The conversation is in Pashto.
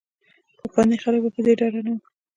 پخواني خلک په دې ډاډه نه وو.